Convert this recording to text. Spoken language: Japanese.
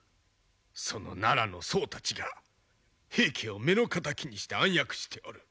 その奈良の僧たちが平家を目の敵にして暗躍しておる。